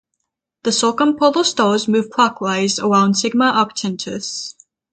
The circumpolar stars move clockwise around Sigma Octantis.